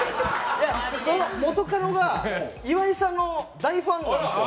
元カノが岩井さんの大ファンなんですよ。